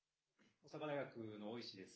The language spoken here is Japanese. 大阪大学の大石です。